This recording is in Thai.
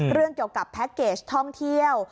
เรื่องเกี่ยวกับแพ็คเกจท่องเที่ยว